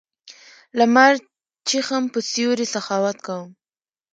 لمر چېښم په سیوري سخاوت کوم